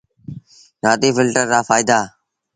نآديٚ ڦلٽر رآ ڦآئيدآ۔